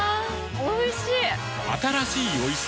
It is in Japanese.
おいしい！